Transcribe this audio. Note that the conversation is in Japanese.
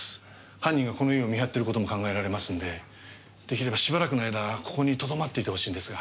犯人がこの家を見張ってる事も考えられますんで出来ればしばらくの間ここにとどまっていてほしいんですが。